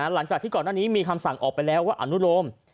หลังจากที่ก่อนหน้านี้มีคำสั่งออกไปแล้วว่าอนุโลม